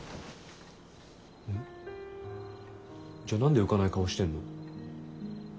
じゃあ何で浮かない顔してんの？